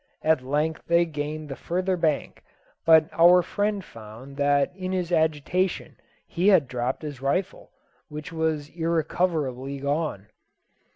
At length they gained the further bank; but our friend found that in his agitation he had dropped his rifle, which was irrecoverably gone.